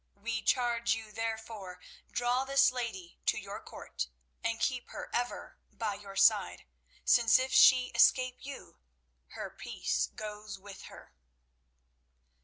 We charge you, therefore, draw this lady to your court, and keep her ever by your side, since if she escape you, her peace goes with her."